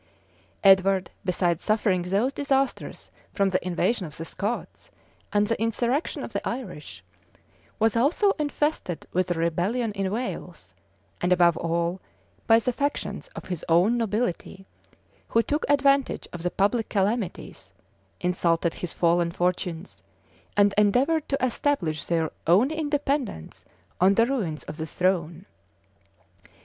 Edward, besides suffering those disasters from the invasion of the Scots and the insurrection of the Irish, was also infested with a rebellion in Wales; and above all, by the factions of his own nobility, who took advantage of the public calamities, insulted his fallen fortunes, and endeavored to establish their own independence on the ruins of the throne.